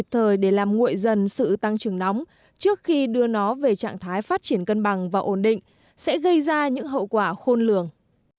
trước khi đưa nó về trạng thái phát triển cân bằng và ổn định sẽ gây ra những hậu quả khôn lường